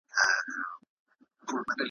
درواغ یې بوله، سیاست په کار دئ